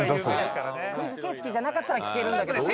クイズ形式じゃなかったら聞けるんだけどな。